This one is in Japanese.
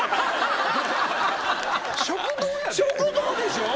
食堂でしょ？